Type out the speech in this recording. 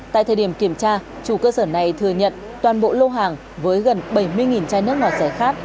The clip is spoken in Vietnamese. tại thời điểm kiểm tra chủ cơ sở này thừa nhận toàn bộ lô hàng với gần bảy mươi chai nước ngọt rẻ khác